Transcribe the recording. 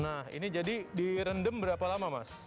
nah ini jadi di rendem berapa lama mas